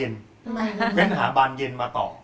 ไปหาบานเย็นมาต่อ